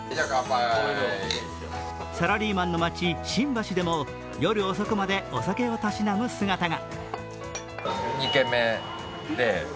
サラリーマンの街、新橋でも夜遅くまでお酒をたしなむ姿が。